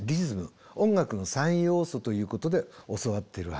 音楽の三要素ということで教わっているはずです。